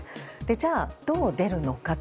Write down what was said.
じゃあ、どう出るのかと。